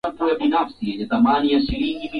puani kila wakati na mafua yasiyo pona